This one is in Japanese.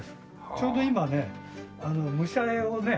ちょうど今はね武者絵をね。